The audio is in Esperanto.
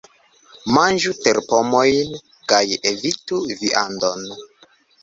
Manĝu terpomojn kaj evitu viandon.